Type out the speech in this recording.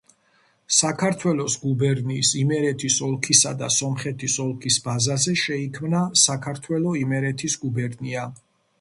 საქართველოს გუბერნიის, იმერეთის ოლქისა და სომხეთის ოლქის ბაზაზე შეიქმნა საქართველო-იმერეთის გუბერნია.